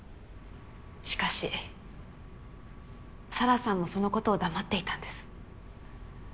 しかし紗良さんもそのことを黙っていたんです。